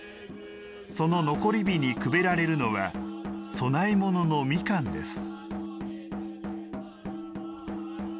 その残り火にくべられるのは供え物のみかんです。